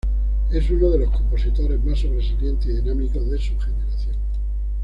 Es uno de los compositores más sobresalientes y dinámicos de su generación.